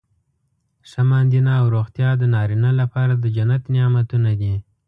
ښه ماندینه او روغتیا د نارینه لپاره د جنت نعمتونه دي.